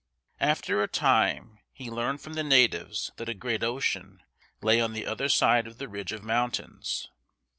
After a time he learned from the natives that a great ocean lay on the other side of the ridge of mountains.